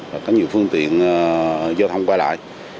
và có nhiều phương tiện giao thông qua lại